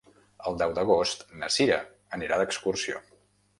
El deu d'agost na Sira anirà d'excursió.